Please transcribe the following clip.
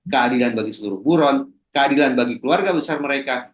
keadilan bagi seluruh buron keadilan bagi keluarga besar mereka